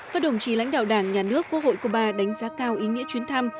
các đồng chí lãnh đạo đảng nhà nước quốc hội cuba đánh giá cao ý nghĩa chuyến thăm